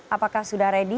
apakah sudah ready